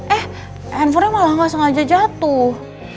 eh handphonenya malah gak sengaja jatuh